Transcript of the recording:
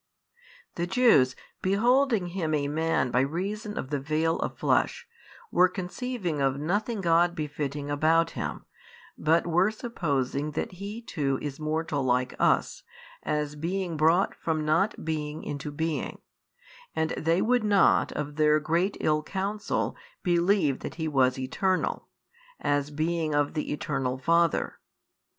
The Jews beholding Him a Man by reason of the veil of flesh, were conceiving of nothing God befitting about Him, but were supposing that He too is mortal like us, as being brought from not being into being, and they would not of their great ill counsel believe that He was Eternal, as being of the Eternal Father.